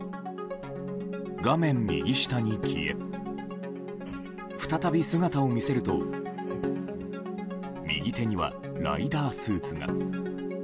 画面右下に消え再び姿を見せると右手にはライダースーツが。